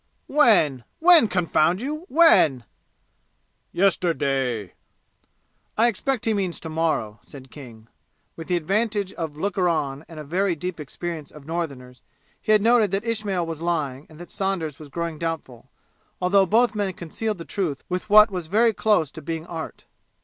"When? When, confound you! When?" "Yesterday." "I expect he means to morrow," said King. With the advantage of looker on and a very deep experience of Northerners, he had noted that Ismail was lying and that Saunders was growing doubtful, although both men concealed the truth with what was very close to being art.